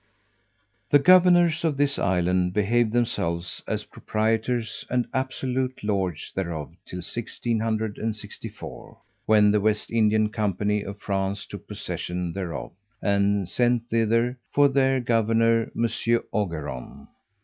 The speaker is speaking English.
The governors of this island behaved themselves as proprietors and absolute lords thereof till 1664, when the West India company of France took possession thereof, and sent thither, for their governor, Monsieur Ogeron.